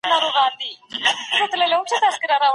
شتمن باید زکات ورکړي.